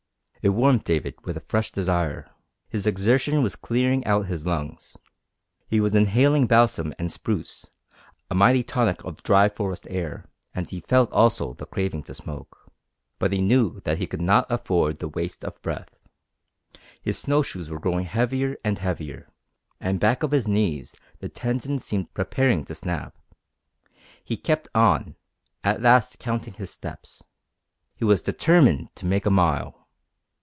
It warmed David with a fresh desire. His exertion was clearing out his lungs. He was inhaling balsam and spruce, a mighty tonic of dry forest air, and he felt also the craving to smoke. But he knew that he could not afford the waste of breath. His snow shoes were growing heavier and heavier, and back of his knees the tendons seemed preparing to snap. He kept on, at last counting his steps. He was determined to make a mile.